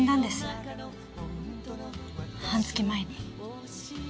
半月前に。